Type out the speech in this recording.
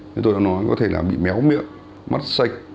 như tôi đã nói có thể là bị méo miệng mắt sạch